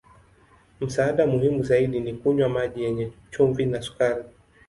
Msaada muhimu zaidi ni kunywa maji yenye chumvi na sukari.